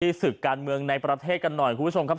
ศึกการเมืองในประเทศกันหน่อยคุณผู้ชมครับ